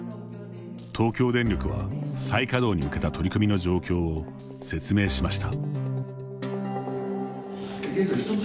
東京電力は再稼働に向けた取り組みの状況を説明しました。